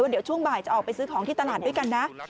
เดี๋ยวช่วงบ่ายจะออกไปซื้อของที่ตลาดด้วยกันนะ